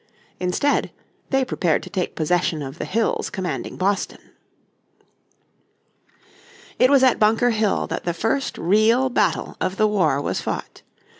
Instead they prepared to take possession of the hills commanding Boston. It was at Bunker Hill that the first real battle of the war was fought.